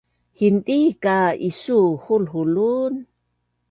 Hindii ka isuu hulhul un